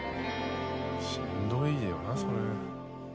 しんどいよなそれ。